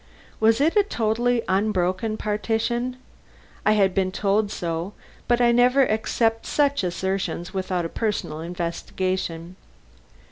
Was it a totally unbroken partition? I had been told so; but I never accept such assertions without a personal investigation.